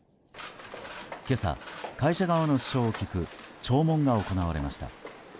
今朝、会社側の主張を聞く聴聞が行われました。